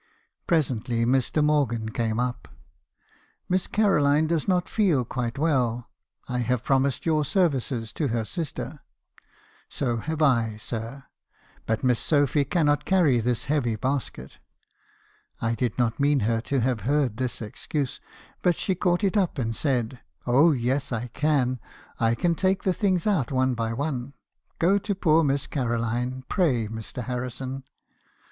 "Presently Mr. Morgan came up. " 'Miss Caroline does not feel quite well. I have promised your services to her sister.' " 'So* have I, sir. But Miss Sophy cannot carry this heavy basket.' "I did not mean her to have heard this excuse; but she caught it up and said —"' Oh , yes I can ! I can take the things out one by one. Go to poor Miss Caroline, pray, Mr. Harrison.'